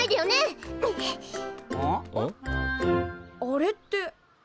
あれって。